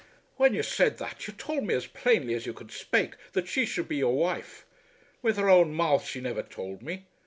"When you said that, you told me as plainly as you could spake that she should be your wife. With her own mouth she never told me.